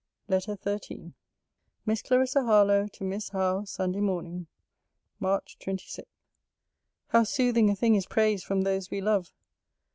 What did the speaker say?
LETTER XIII MISS CLARISSA HARLOWE, TO MISS HOWE SUNDAY MORNING, MARCH 26. How soothing a thing is praise from those we love!